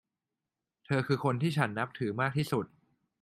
เธอคือคนที่ฉันนับถือมากที่สุด